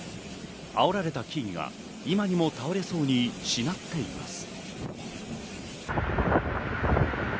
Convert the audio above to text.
あおられた木々が今にも倒れそうにしなっています。